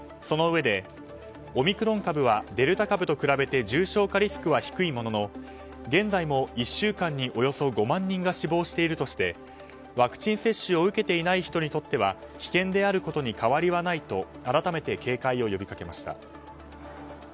そのうえでオミクロン株はデルタ株と比べて重症化リスクは低いものの現在も１週間におよそ５万人が死亡しているとしてワクチン接種を受けていない人にとっては危険であることに変わりはないと改めて警戒を呼びかけました。